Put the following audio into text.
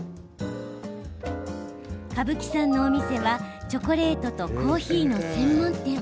蕪木さんのお店はチョコレートとコーヒーの専門店。